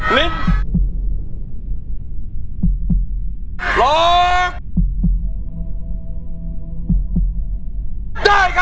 ลิ้นร้อง